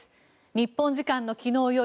日本時間の昨日夜